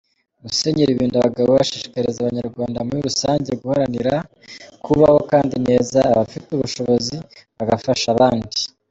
Musenyeri Birindabagabo ashishikariza Abanyarwanda muri rusange guharanira “kubaho kandi neza”, abafite ubushobozi bagafasha abandi.